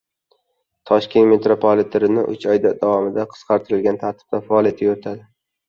Toshkent metropoliteni uch oy davomida qisqartirilgan tartibda faoliyat yuritadi